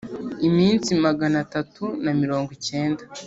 iminsi magana atatu na mirongo cyenda